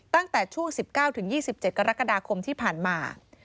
ตั้งแต่ช่วง๑๙๒๗กรกฎาคมที่ผ่านมา